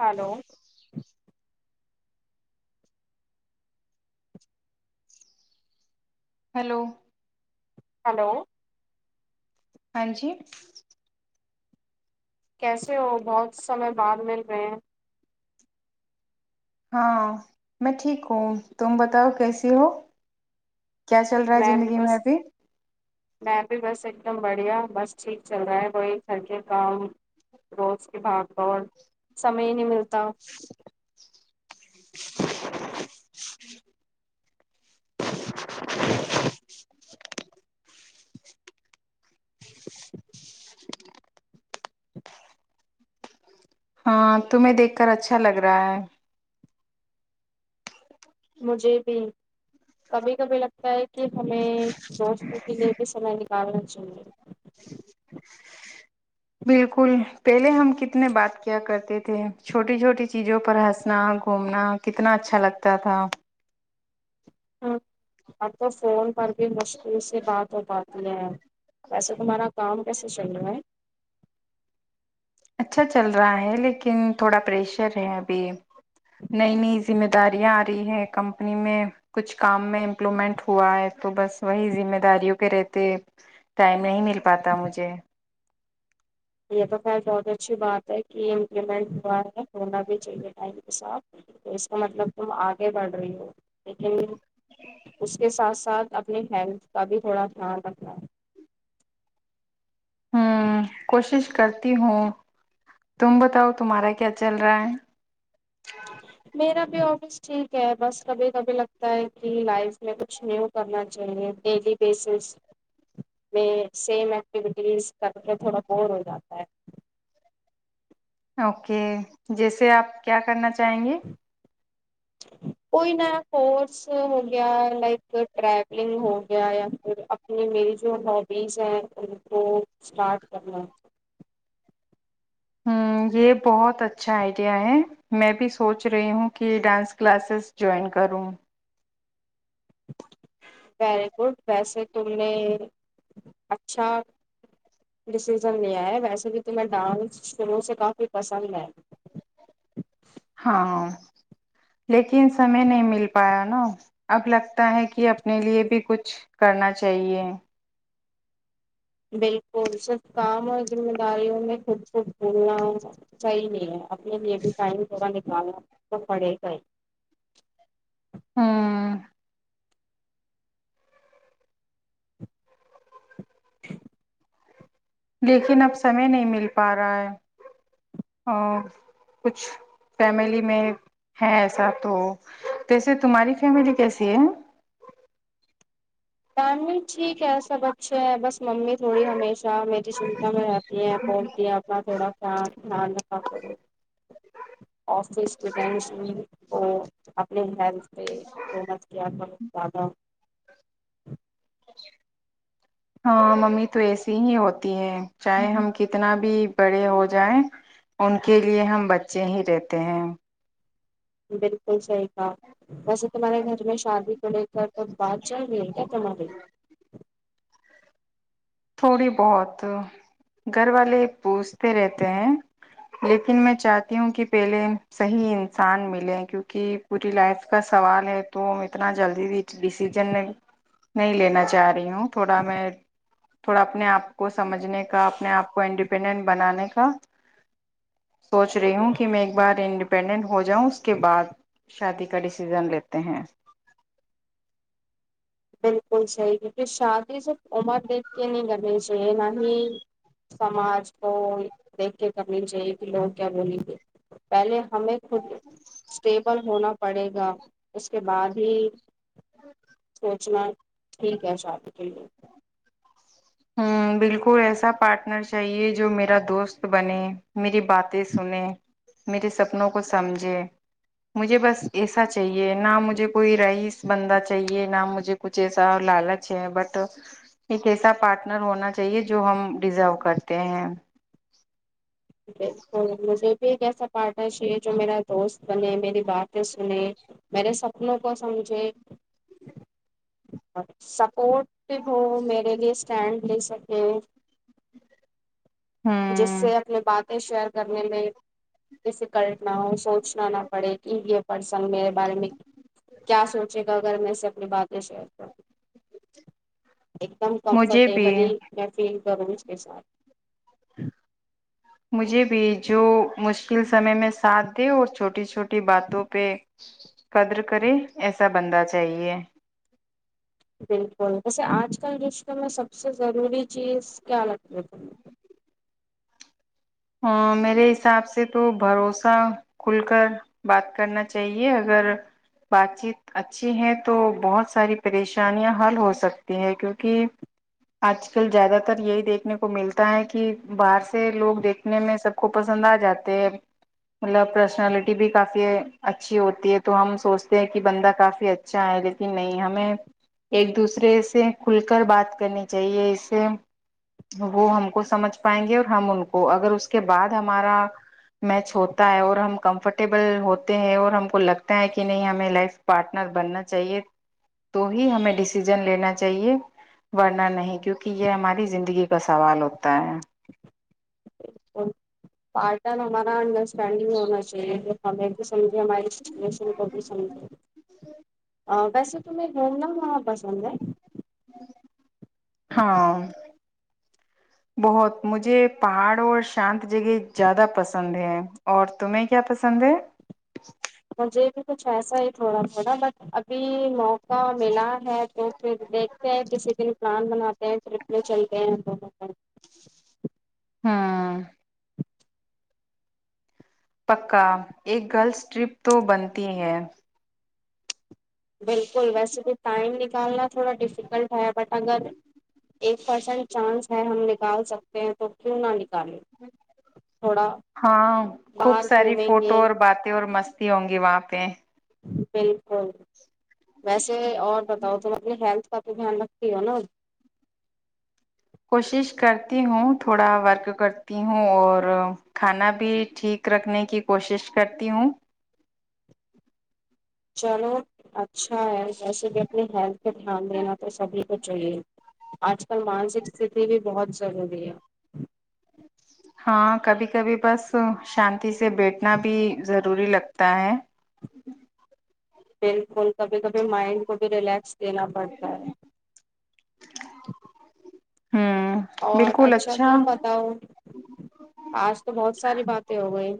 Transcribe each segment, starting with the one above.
hello hello hello ہاں جی کیسے ہو بہت سمے بعد مل رہے ہیں ہاں میں ٹھیک ہوں تم بتاؤ کیسی ہو کیا چل رہا ہے میں بھی زندگی بس ابھی میں بھی بس ایک ایک دم بڑھیا بس ٹھیک چل رہا ہے وہی گھر کے کام روز کے بھاگ سمے ہی نہیں ملتا کتاا ہاں تمہیں دیکھ کر اچھا لگ رہا ہے مجھے بھی کبھی کبھی لگتا ہے کہ ہمیں دوستوں کے لیے بھی سمے نکالنا چاہیے بالکل پہلے ہم کتنے بات کیا کرتے تھے چھوٹی چھوٹی چیزوں پر ہنسنا گھومنا کتنا اچھا لگتا تھا ہاں آ تو فون پر بھی مشکل سےبات ہو پاتی ہے ویسے تمہارا کام کیسے چل رہا ہے اچھا چل رہا ہے لیکن تھوڑا پریشر ہے ابھی نئی نئی ذمہ داریاں آ رہی ہے کمپنی میں کچھ کام میں امپلومنٹ ہوا ہے تو بس وہی ذمہ داریوں کے رہتے ٹائم نہیں مل پاتا مجھے یہ تو خل بہت اچھی بات ہے کہ امپلیمنٹ ہوا ہے ہونا بھی چاہیے ٹائم کے ساتھ تو اس کا مطلب تم آگے بڑھ رہی ہو لیکن اس کے ساتھ ساتھ اپنی ہیلتھ کا بھی تھوڑا دھیان رکھنا ہے ہوں کوشش کرتی ہوں تم بتاؤ تمہارا کیا چل رہا ہے میرا بی بس ٹھیک ہے بس کبھی کبھی لگتا ہے کہ لائف میں کچھ نیو کرنا چاہیے ڈیلی بیسس میں سیم ایکٹیویٹیز س تھوڑا بور ہو جاتا آ [inaudible] اوکے جیسے آپ کیا کرنا چاہیں گے کوئی نہ کورس ہو گیا لائک ہو گیا اپنی میری باڈی سے سٹارٹ کرنا ہے ہ یہ بہت اچھا آئیڈیا ہے میں بھی سوچ رہی ہوں کہ ڈانس کلاسز جوائن کروں ویری گڈ ویسے تم نے اچھا ڈسیزن لیا ہے ویسے بھی تمہیں ڈانس شروع سے کافی پسند ہے ہاں لیکن سمے نہیں مل پایا نا اب لگتا ہے کہ اپنے لیے بھی کچھ کرنا چاہیے بالکل صرف کام اور ذمہ داریوں میں خود کو بھولنا صحیح نہیں ہے اپنے لی یہ بھی ٹائم تھ تو پڑے گئے ہاں لیکن اب سمے نہیں مل پا رہا ہے اور کچھ فیملی میں ہے ایسا تو جیسے تمہاری فیملی کیسی ہے فیملی ٹھیک ہے سب اچھے ہیں بس ممی تھوڑی ہمیشہ میری چنتا میں رہتی بولتی اپنا تھوڑا سان ن نہ [unintelligible] آفس کی ٹینشن وہ اپنے ہیل پہ وہ مت کیا بہت زیادہ [inaudible] ہاں ممی تو ایسی ہی ہوتی ہے چاہے ہم کتنا بھی بڑے ہو جائیں ان کے لیے ہم بچے ہی رہتے ہیں بالکل صحیح تھا ویسے تمہارے گھر میں شادی کو لے کر تو بات چل رہی کیا تمہاراری تھوڑی بہت گھر والے پوچجھتے رہتے ہیں لیکن میں چاہتی ہوں کہ پہلے صحیح انسان ملے کیونکہ پوری لائف کا سوال ہے تو اتنا جلدی بھی ڈسیزن نہیں لینا چاہ رہی ہوں تھوڑا میں تھوڑا اپنے آپ کو سمجنے کا اپنے آپ کو انڈیپ ڈ بنانے کا سوچ رہی ہوں کہ میں ایک بار انڈیپینڈنٹ ہو جاؤں اس کے بعد شادی کا ڈسیزن لیتے ہیں بالکل صحیح کیونکہ شادی صرف عمر دیکھ کے نہیں گنی چاہیے نہ ہی سماج کو دیکھ کے کرنی چاہیے کہ لوگ کیا بولیں گے پہلے ہمیں خود اسٹیبل ہونا پڑے گا اس کے بعد ہی ہ [inaudible] سوچنا ٹھیک ہے شادی کے لیے ہ بالکل ایسا پارٹنر چاہیے جو میرا دوست بنے میری باتیں سنے میرے سپنوں کو سمجھے مجھے بس ایسا چاہیے نہ مجھے کوئی رائس بندہ چاہیے نہ مجھے کچھ ایسا لالچ ہے بٹ ایک ایسا پارٹ نر ہونا چاہیے جو ہم ڈیزرو کرتے ہیں ا [unintelligible] ایک ایسا پارٹنر ش جو میرا دوست بنے میری باتیں سنے میرے سپنوں کو سمجھے سپورٹو ہو میرے لیے اسٹینڈ لے سکے جس ہوں سے اپنے بات شیئر کرنے میں ڈفیکلٹ نہ ہو سو پوچھنا نہ پڑے کہ یہ پرسن میرے بارے میں کیا سوچے گا اگر میں سے اپنی باتیں شیئر کروں ایک دم مجھے بھی کمفرٹیبلی میں ف ضرور اس کےش ہے مجھے بھی جو مشکل سمے میں ساتھ دے اور چھوٹی چھوٹی باتوں پہ قدر کرے ایسا بندہ چاہیے بالکل ویسے آج کل جشم میں سب سے ضروری چیز کیا لگ رہ ت ہ میرے حساب سے تو بھروسہ کھل کر بات کرنا چاہیے اگر بات چیت اچھی ہے تو بہت ساری پریشانیاں حل ہو سکتی ہے کیونکہ آج کل زیادہ تر یہی دیکھنے کو ملتا ہے کہ باہر سے لوگ دیکھ نے سب کو پسند آ جاتے ہے مطلب پرسنالٹی بھی کافی اچھی ہوتی ہے تو ہم سوچتے ہیں کہ بندہ کافی اچھا ہے لیکن نہیں ہمیں ایک دوسرے سے کھل کر بات کرنی چاہیے اس سے وہ ہم کو سمجھ پائیں گے اور ہم ان کو اگر اس کے بعد ہمارا میچ ہوتا ہے اور ہم کمفرٹیبل ہوتے ہیں اور ہم کو لگتا ہے کہ نہیں ہمیں لائف پارٹنر بننا چاہیے تو ہی ہمیں ڈسیزن لینا چاہیے ورننا نہیں کیونکہ یہ ہماری زندگی کا سوال ہوتا ہے پٹان ہمارا انڈ چڈ ہونا چاہیے ہم س یہ ہماریشن ر پبل سمجھ ویسے تومہیں گھومنا وہاں پسند ہے ہاں بہت مجھے پہاڑ اور شانت جگہ زیادہ پسند ہے اور تمہیں کیا پسند ہے مھے کچھ ایسا ہی تھوڑا تھوڑا بٹ ابھی موقع ملا ہے تو پھر دیکھتے ہیں کسی دن پلان بناتے ہیں ٹرپ میں چلتے ہیں لگ ہوں پکا ایک گرلس ٹرپ تو بنتی ہے بالکل ویسے تو ٹائم نہیں کال [unintelligible] تھوڑا ڈیفکلٹ آیا بٹ اگر ایک پرسینٹ چانس ہے ہم نکال سکتے ہیں تو کیوں نہ ن ہاں خوب باہر ساری گھومیں فوٹو گے اور باتیں اور مست ہوں گی وہاں پہ بالکل ویسے اور بتاؤ تم اپنی ہیلتھ کا تو دھیان رکھتی ہو نا کوشش کرتی ہوں تھوڑا ورک کرتی ہوں اور کھانا بھی ٹھیک رکھنے کی کوشش کرتی ہوں چلو اچھا ہے جیسے بھی اپنی ہیلتھ کا دھیان دینا تو سبھی کو چاہیے آج کل مانسک سٹی بھی بہت جگہ ہے شہ [unintelligible] ہاں کبھی کبھی بس شانتی سے بیٹھنا بھی ضروری لگتا ہے بالکل کبھی کبھی مائنڈ کو بھی ریلیکس دینا پڑتا ہے [unintelligible] ہوں اور بالکل اچھا تم بتاؤ آج تو بہت ساری باتیں ہو گئی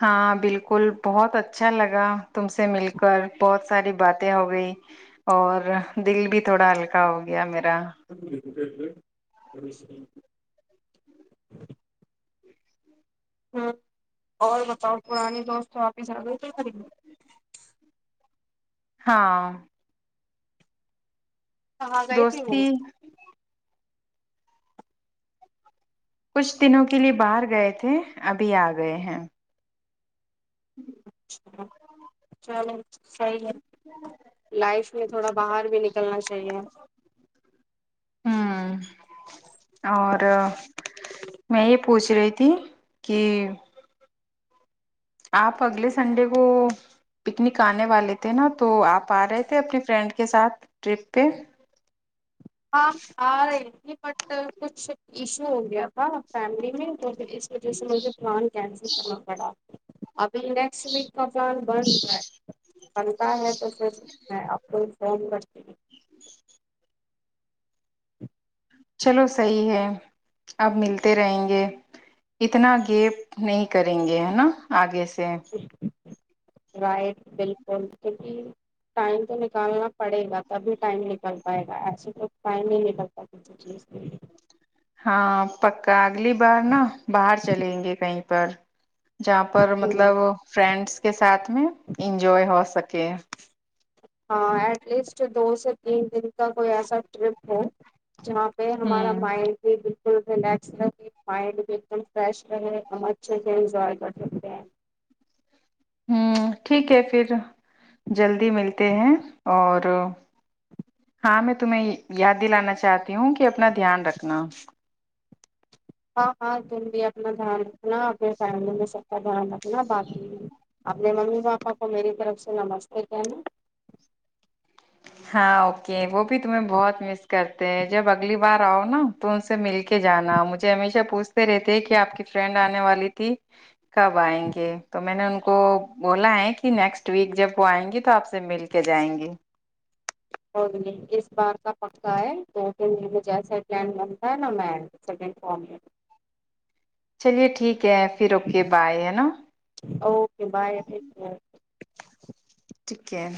ہاں بالکل بہت اچھا لگا تم سے مل کر بہت ساری باتیں ہو گئی اور دل بھی تھوڑا ہلکا ہو گیا میرا ا [unintelligible] ک [unintelligible] ہ اور بتاؤ پرانانی دوست واپ ہیس آ گئے کیا خرید گی ہاں ہاں گئی تھی وہ دوستی کچھ دنوں کے لیے باہر گئے تھے ابھی آ گئے ہیں اچھا چلو لائف میں تھوڑا باہر بھی نکلنا چاہیے ہوں اور میں یہ پوچھ رہی تھی کہ آپ اگلے سنڈے کو پکنک آنے والے تھے نا تو آپ آ رہے تھے اپنے فرینڈ کے ساتھ ٹرپ پہ ہاں میں آ رہی تھی بٹ کچھ ایشو ہو گیا تھا فیملی میں تو تو جیسے مجھے پلان کینسل کرنا پڑا ابھی نیکسٹ ویک کا پلان بند رہا ہے بنتا ہے تو پھر میں آپ کو انفم کر چلو صحیح ہے اب ملتے رہیں گے اتنا گیپ نہیں کریں گے ہے نا آگے سے [inaudible] رائٹ بالکل کیونکہ ٹائم تو نکالنا پڑے گا تبھی ٹائم نکل پائے گا ایسے تو ٹائم نہیں ن للتا کسی چیز کے ہاں پکا اگلی بار نا باہر چلیں گے کہیں پر جہاں پر ہوں مطلب فرینڈس کے ساتھ میں انجوائے ہو سکے ہاں ایٹ لیسٹ دو سے تین دن کا کوئی ایسا ٹرپ ہو جہاں پہ ہ ہمارا مائڈ کے فل ریلیکس رکھیں مائنڈ بھی ایک دم فریش رہے ہم اچھے سے انجوائے کر سکتے ہیں ہ ٹھیک ہے پھر جلدی ملتے ہیں اور ہاں میں تمہیں یاد دلانا چاہتی ہوں کہ اپنا دھیان رکھنا ہاں ہاں تم بھی اپنا دھیان رکھنا اپنے فیملی میں سب کا دھیان رکھنا باقی اپنے ممی پاپا کو میری طرف سے نمستے کہنا ہاں اوکے وہ بھی تمہیں بہت مس کرتے ہیں جب اگلی بار آؤ نا تو ان سے مل کے جانا مجھے ہمیشہ پوچھتے رہتے کہ آپ کی فرینڈ آنے والی تھی کب آئیں گے تو میں نے ان کو کو بولا ہے کہ نیکسٹ ویک جب وہ آئیں گی تو آپ سے مل کے جائیں گے کوئی نہیں اس بار کا پکا ہے تو پھر جیسا پلڈ بنتا ہے نہ میں سیکنڈ فارم میں چلیے ٹھیک ٹھیک ہے پھر اوکے بائے ہے نا اوکے بائے ٹیک کیئر